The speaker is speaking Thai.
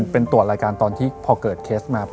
เป็นตรวจรายการตอนที่พอเกิดเคสมา